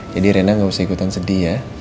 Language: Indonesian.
jadi rena gak usah ikutan sedih ya